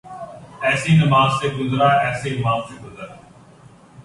ایسی نماز سے گزر ایسے امام سے گزر